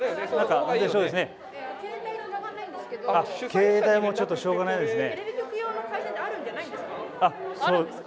携帯ちょっとしょうがないですね。